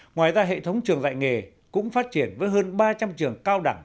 ngoài ra hệ thống trường dạy nghề cũng phát triển với hơn ba trăm linh trường cao đẳng